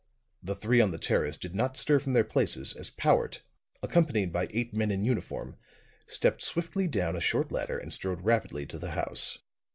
The three on the terrace did not stir from their places as Powart, accompanied by eight men in uniform, stepped swiftly down a short ladder and strode rapidly to the house.